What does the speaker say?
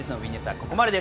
ここまで。